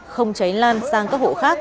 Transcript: không cháy lan sang các hộ khác